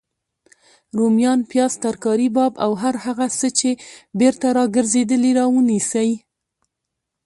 روميان، پیاز، ترکاري باب او هر هغه څه چی بیرته راګرځیدلي راونیسئ